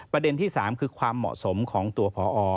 ประเด็นที่๓คือความเหมาะสมของตัวพอ